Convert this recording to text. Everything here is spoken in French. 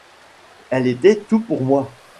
Elle était tout pour moi.